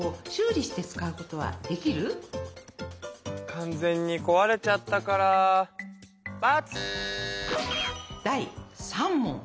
完全にこわれちゃったから×！